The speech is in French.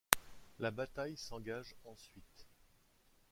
La bataille s'engage ensuite.